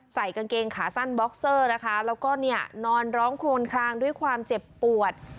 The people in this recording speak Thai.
ใส่กางเกงขาสั้นบ็อกเซอร์นะคะแล้วก็เนี่ยนอนร้องครวนคลางด้วยความเจ็บปวด